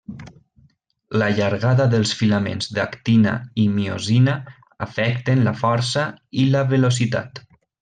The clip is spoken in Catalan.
La llargada dels filaments d’actina i miosina afecten la força i la velocitat.